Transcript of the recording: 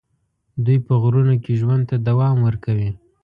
دوی په غرونو کې ژوند ته دوام ورکوي.